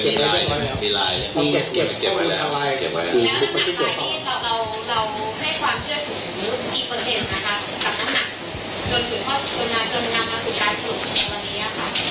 จนถึงวันนี้ค่ะ